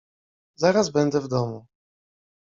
Zaraz będę w domu!